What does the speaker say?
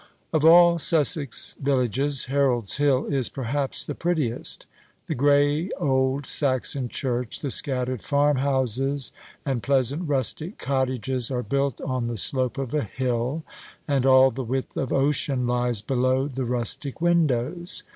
Of all Sussex villages Harold's Hill is perhaps the prettiest. The grey old Saxon church, the scattered farmhouses and pleasant rustic cottages, are built on the slope of a hill, and all the width of ocean lies below the rustic windows.